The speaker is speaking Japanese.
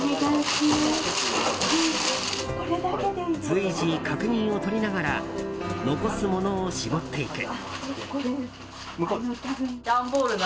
随時、確認を取りながら残すものを絞っていく。